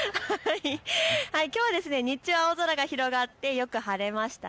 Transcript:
きょうは日中、青空が広がってよく晴れました。